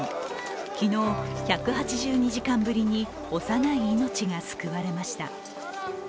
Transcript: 昨日、１８２時間ぶりに幼い命が救われました。